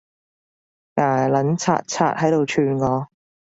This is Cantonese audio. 牙撚擦擦喺度串我